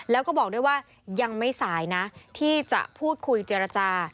แล้วก็บอกด้วยว่ายังไม่สายนะที่จะพูดคุยเจรจา